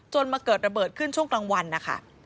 มาเกิดระเบิดขึ้นช่วงกลางวันนะคะ